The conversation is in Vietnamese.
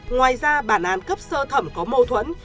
ngoài ra bản án cấp sơ thẩm có mâu thuẫn